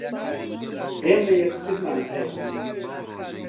ئێمە یەکترمان ھەیە.